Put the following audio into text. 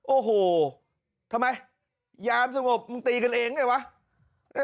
โอ้โหทำไมยามสงบมึงตีกันเองเนี่ยวะ